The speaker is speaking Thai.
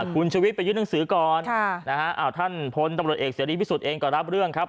คุณชุวิตไปยื่นหนังสือก่อนท่านพลตำรวจเอกเสรีพิสุทธิ์เองก็รับเรื่องครับ